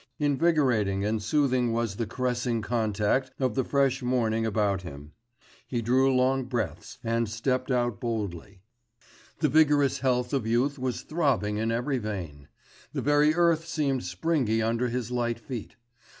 Invigorating and soothing was the caressing contact of the fresh morning about him. He drew long breaths, and stepped out boldly; the vigorous health of youth was throbbing in every vein; the very earth seemed springy under his light feet.